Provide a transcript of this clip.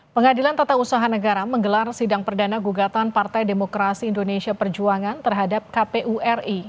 pengadilan tata usaha negara menggelar sidang perdana gugatan partai demokrasi indonesia perjuangan terhadap kpu ri